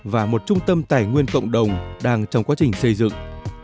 và một trung tâm tài nguyên cộng đồng đang trong quá trình xây dựng